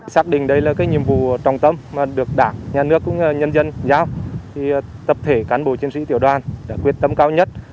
xác định đây là cái nhiệm vụ trọng tâm mà được đảng nhà nước cũng nhân dân giao thì tập thể cán bộ chiến sĩ tiểu đoàn đã quyết tâm cao nhất